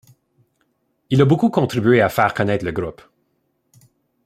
Il a beaucoup contribué à faire connaître le groupe.